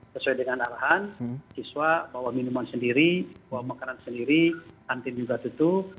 sesuai dengan arahan siswa bawa minuman sendiri bawa makanan sendiri kantin juga tutup